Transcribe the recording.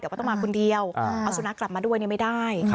ก็ต้องมาคนเดียวเอาสุนัขกลับมาด้วยไม่ได้